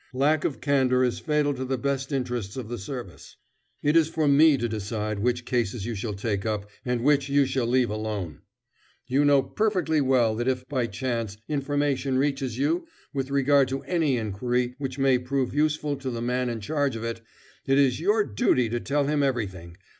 Lack of candor is fatal to the best interests of the service. It is for me to decide which cases you shall take up and which you shall leave alone. You know perfectly well that if, by chance, information reaches you with regard to any inquiry which may prove useful to the man in charge of it, it is your duty to tell him everything.